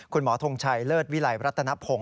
คุณหมอทงชัยเลิศวิลัยรัตนภง